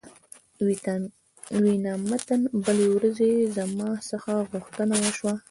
د وینا متن: بلې ورځې زما څخه غوښتنه وشوه.